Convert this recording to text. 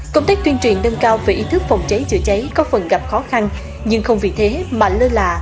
công tác tuyên truyền nâng cao về ý thức phòng cháy chữa cháy có phần gặp khó khăn nhưng không vì thế mà lơ là